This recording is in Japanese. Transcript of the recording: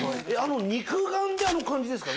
肉眼であの感じですか？